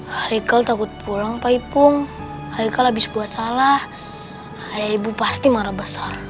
hai kal takut pulang pak ipung hai kal abis buat salah ayah ibu pasti marah besar